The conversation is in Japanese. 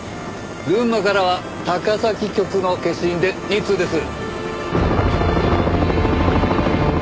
群馬からは高崎局の消印で２通です。